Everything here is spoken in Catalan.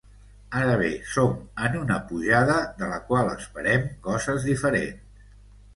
Ara bé, som en una pujada de la qual esperem coses diferents.